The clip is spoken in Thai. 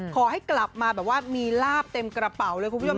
ขอให้กลับมาแบบว่ามีลาบเต็มกระเป๋าเลยคุณผู้ชม